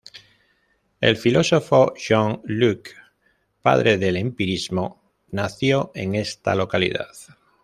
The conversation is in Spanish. El filósofo John Locke, padre del empirismo, nació en esta localidad.